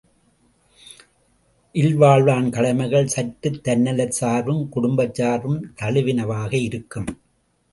இல்வாழ்வான் கடமைகள் சற்று தன்னலச் சார்பும், குடும்பச் சார்பும் தழுவினவாக இருக்கும்.